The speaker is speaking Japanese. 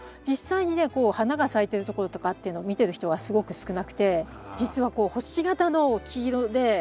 実際にねこう花が咲いてるところとかっていうのを見てる人はすごく少なくてじつはこう星形の黄色で。